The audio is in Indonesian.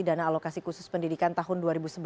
dana alokasi khusus pendidikan tahun dua ribu sebelas